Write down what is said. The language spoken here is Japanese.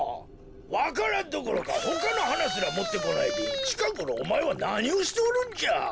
わか蘭どころかほかのはなすらもってこないでちかごろおまえはなにをしておるんじゃ！